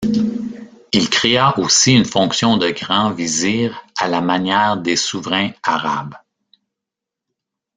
Il créa aussi une fonction de grand vizir à la manière des souverains arabes.